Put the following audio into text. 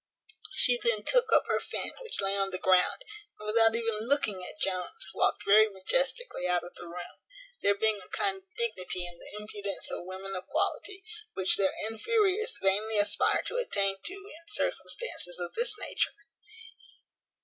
She then took up her fan which lay on the ground, and without even looking at Jones walked very majestically out of the room; there being a kind of dignity in the impudence of women of quality, which their inferiors vainly aspire to attain to in circumstances of this nature.